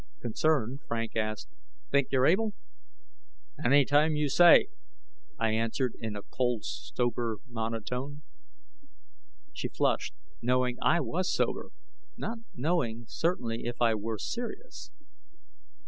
Concerned, Frank asked, "Think you're able?" "Anytime you say," I answered, in a cold sober monotone. She flushed, knowing I was sober, not knowing certainly if I were serious.